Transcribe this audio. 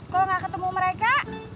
kalau gak ketemu mereka